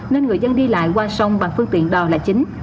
nên người dân đi lại qua sông bằng phương tiện đò là chính